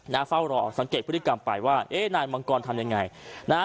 เฝ้ารอสังเกตพฤติกรรมไปว่าเอ๊ะนายมังกรทำยังไงนะฮะ